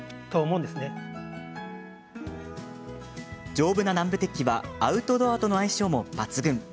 丈夫な南部鉄器はアウトドアとの相性も抜群。